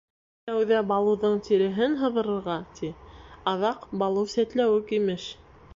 — Тәүҙә Балуҙың тиреһен һыҙырырға, ти, аҙаҡ Балу — сәтләүек, имеш!